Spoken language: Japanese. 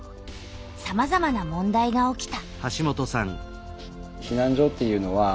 さまざまな問題が起きた。